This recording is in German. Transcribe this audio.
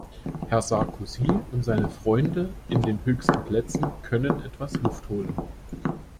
Herr Sarkozy und seine Freunde in den "höchsten Plätzen" können etwas Luft holen.